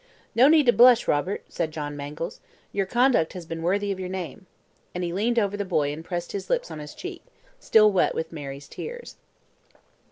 "No need to blush, Robert," said John Mangles. "Your conduct has been worthy of your name." And he leaned over the boy and pressed his lips on his cheek, still wet with Mary's tears.